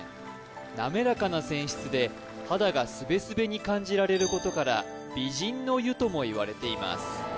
なめらかな泉質で肌がスベスベに感じられることから美人の湯ともいわれています